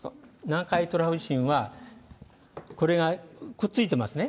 南海トラフ地震は、これが、くっついてますね。